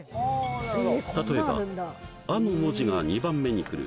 例えば「ア」の文字が２番目に来る